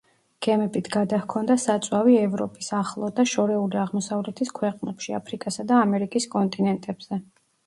გემებით გადაჰქონდა საწვავი ევროპის, ახლო და შორეული აღმოსავლეთის ქვეყნებში, აფრიკასა და ამერიკის კონტინენტებზე.